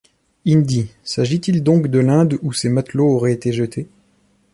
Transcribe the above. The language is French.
Indi..., s’agit-il donc de l’Inde où ces matelots auraient été jetés?